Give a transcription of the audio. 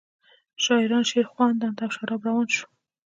شاعران شعرخواندند او شراب روان شو.